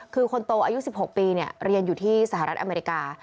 คือคนโตอายุ๑๖ปีเรียนอยู่ที่สหรัฐอเมริกา